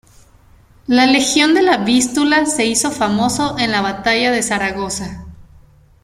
La Legión de la Vístula se hizo famoso en la Batalla de Zaragoza.